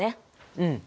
うん。